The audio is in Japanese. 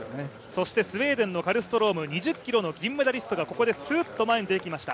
そしてスウェーデンのカルストローム２０ｋｍの銀メダリストがここですっと前に出てきました。